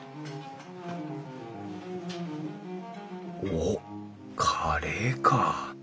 おっカレーか！